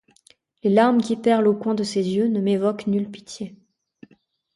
Les larmes qui perlent aux coins de ses yeux ne m'évoquent nulle pitié.